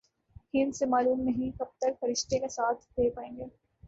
ہندسے معلوم نہیں کب تک فرشتے کا ساتھ دے پائیں گے۔